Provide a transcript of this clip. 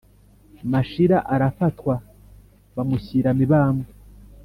mashira arafatwa bamushyira mibambwe.